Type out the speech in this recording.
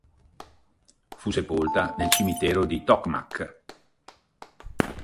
Fu sepolta nel cimitero di Tokhmakh.